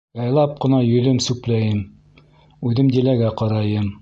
Яйлап ҡына йөҙөм сүпләйем, үҙем Диләгә ҡарайым.